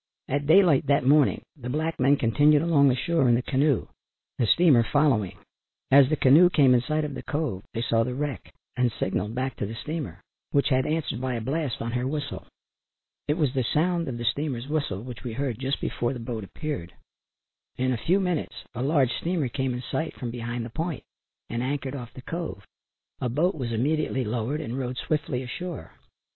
At daylight that morning the black men continued along the shore in the canoe, the steamer following. As the canoe came in sight of the cove they saw the wreck and signalled back to the steamer, which had answered by a blast on her whistle. It was the sound of the steamer's whistle which we heard just before the boat appeared. In a few minutes a large steamer came in sight from behind the point and anchored off the cove. A boat was immediately lowered and rowed swiftly ashore.